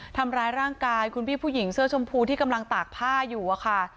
ทำร้ายร่างกายคุณพี่ผู้หญิงเสื้อชมพูที่กำลังตากผ้าอยู่อะค่ะ